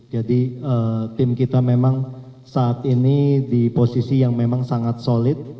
jadi tim kita memang saat ini di posisi yang memang sangat solid